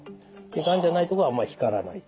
がんじゃないとこはあんまり光らない。